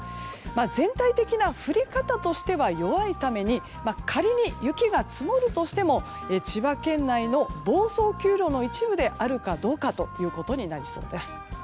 全体的な降り方としては弱いために仮に雪が積もるとしても千葉県内の房総丘陵の一部であるかどうかとなりそうです。